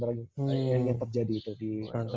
yang terjadi itu di